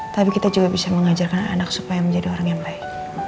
tapi kita juga bisa mengajarkan anak supaya menjadi orang yang baik